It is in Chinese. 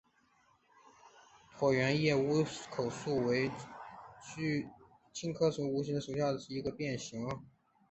椭圆叶乌口树为茜草科乌口树属海南乌口树下的一个变型。